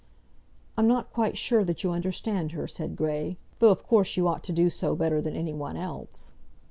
"I'm not quite sure that you understand her," said Grey; "though of course you ought to do so better than any one else."